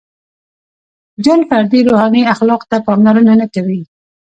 • جن فردي روحاني اخلاقو ته پاملرنه نهکوي.